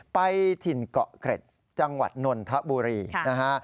ไปถิ่นเกาะเกร็ดจังหวัดนนทบุรีนะฮะ